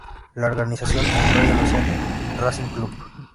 La organiza el Royal Ocean Racing Club.